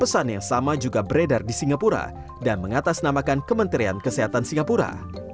pesan yang sama juga beredar di singapura dan mengatasnamakan kementerian kesehatan singapura